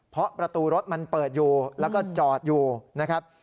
เพราะประตูรถมันเปิดอยู่แล้วก็จอดอยู่นะครับ